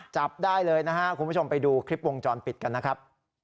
จับได้เลยนะฮะคุณผู้ชมไปดูคลิปวงจรปิดกันนะครับ